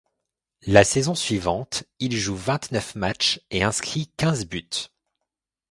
La saison suivante, il joue vingt-neuf matchs et inscrit quinze buts.